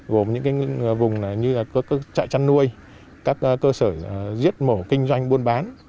gồm những vùng như các trại chăn nuôi các cơ sở giết mổ kinh doanh buôn bán